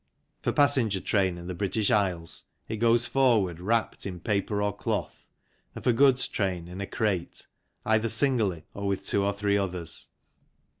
For passenger train in the British Isles it goes forward wrapped in paper or cloth and for goods train in a crate, either singly or with two or three others.